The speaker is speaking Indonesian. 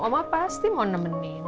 amu pasti mau nemenin